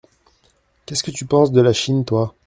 Qu’est-ce que tu penses de la Chine, toi ?